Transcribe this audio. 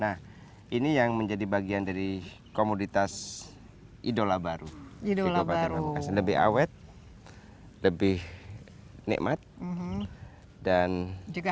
nah ini yang menjadi bagian dari komoditas idola baru di kabupaten pamekasan lebih awet lebih nikmat dan juga